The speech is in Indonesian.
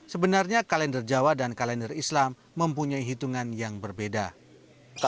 sebenarnya kalender jawa hanyok rokusumo adalah kalender yang berhitungan dengan perputaran bulan